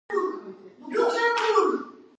ბინადრობს ინდონეზიაში, კუნძულ იავაზე.